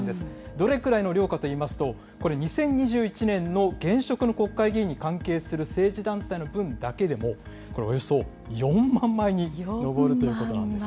どれくらいの量かといいますと、これ、２０２１年の現職の国会議員に関係する政治団体の分だけでも、およそ４万枚に上るということなんです。